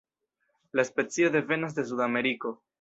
La specio devenas de Sudameriko.